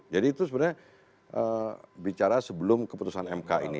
jadi itu sebenarnya bicara sebelum keputusan mk ini